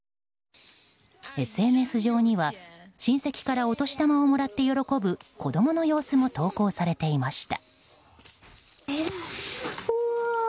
ＳＮＳ上には親戚からお年玉をもらって喜ぶ子供の様子も投稿されていました。